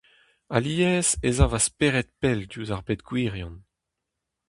Alies ez a va spered pell diouzh ar bed gwirion.